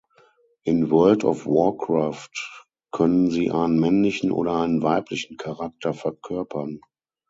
In World of Warcraft können Sie einen männlichen oder einen weiblichen Charakter verkörpern.